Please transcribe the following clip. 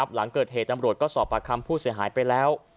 หลังเกิดเหตุตำรวจก็สอบปากคำผู้เสียหายไปแล้ว